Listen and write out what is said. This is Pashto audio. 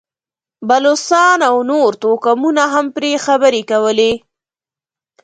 بلوڅانو او نورو توکمونو هم پرې خبرې کولې.